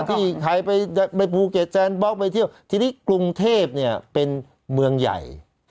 ที่ใครไปภูเก็ตแซนบล็อกไปเที่ยวทีนี้กรุงเทพเนี่ยเป็นเมืองใหญ่